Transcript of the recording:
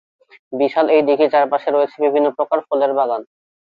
বিশাল এই দিঘীর চারপাশে রয়েছে বিভিন্ন প্রকার ফলের বাগান।